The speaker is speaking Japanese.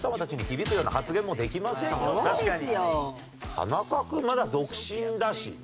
田中君まだ独身だしね。